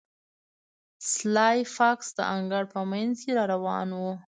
سلای فاکس د انګړ په مینځ کې را روان و